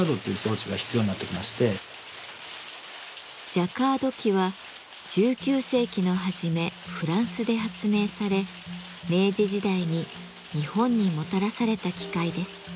ジャカード機は１９世紀の初めフランスで発明され明治時代に日本にもたらされた機械です。